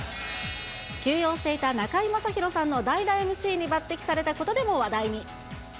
休養していた中居正広さんの代打ＭＣに抜てきされたことでも話題に。